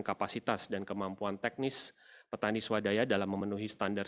kapasitas dan kemampuan teknis petani swadaya dalam memenuhi standar